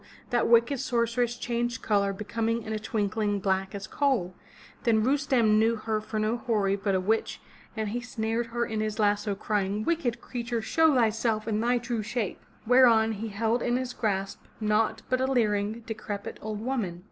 that wicked sorceress changed color becoming in a twinkling black as coal. Then Rustem knew her for no houri but a witch and he snared her in his lasso crying, "Wicked creature, show thyself in thy true shape!'' Whereon he held in his grasp naught but a leering, decrepit, old woman.